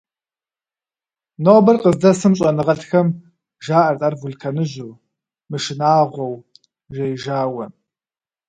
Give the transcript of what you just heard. Нобэр къыздэсым щӏэныгъэлӏхэм жаӏэрт ар вулканыжьу, мышынагъуэу, «жеижауэ».